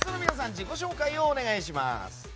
自己紹介をお願いします。